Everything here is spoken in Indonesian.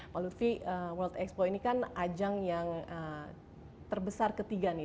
pak lutfi world expo ini kan ajang yang terbesar ketiga nih